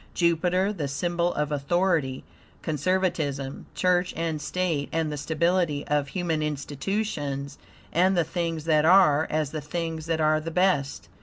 Jupiter, the symbol of authority, conservatism, church, and state, and the stability of human institutions, and the things that are, as the things that are the best.